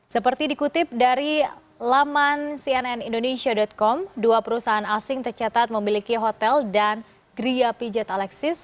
seperti dikutip dari laman cnnindonesia com dua perusahaan asing tercatat memiliki hotel dan gria pijat alexis